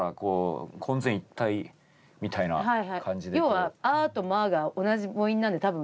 要は「あ」と「ま」が同じ母音なんで多分。